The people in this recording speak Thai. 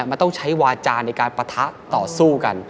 มันต้องใช้วาจาในการปะทะต่อสู้กัน